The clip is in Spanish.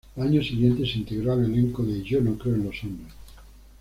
Al año siguiente se integró al elenco de "Yo no creo en los hombres".